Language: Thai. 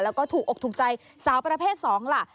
แล้วก็ถูกอกถูกใจสาวประเภท๒ล่ะ